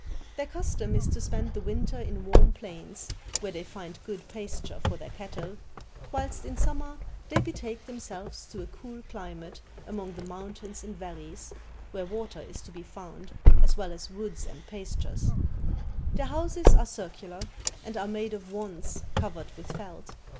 Their custom is to spend the winter in warm plains, where they find good pasture for their cattle, whilst in summer they betake themselves to a cool cKmate among the mountains and valleys, where water is to be found as well as woods and pastures. Their houses are circular, and are made of wands covered with felt.